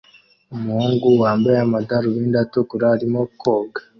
Umuhungu wambaye amadarubindi atukura arimo koga